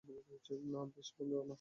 না, ব্যস বন্ধু আমরা।